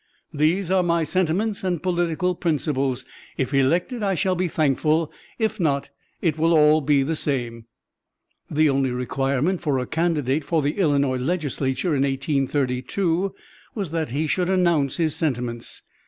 These are my sentiments and political principles. If elected, I shall be thankful; if not, it will be all the same.'" The only requirement for a candidate for the Illinois Legislature in 1832 was that he should announce his "sentiments."